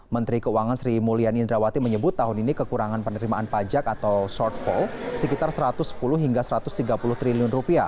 menteri keuangan sri mulyani indrawati menyebut tahun ini kekurangan penerimaan pajak atau shortfall sekitar rp satu ratus sepuluh hingga rp satu ratus tiga puluh triliun